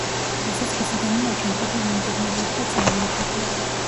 დასაწყისიდანვე აჯანყება მიმდინარეობდა წარუმატებლად.